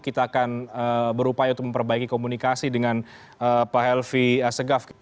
kita akan berupaya untuk memperbaiki komunikasi dengan pak helvi segaf